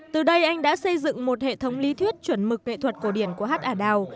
từ đây anh đã xây dựng một hệ thống lý thuyết chuẩn mực nghệ thuật cổ điển của hát ả đào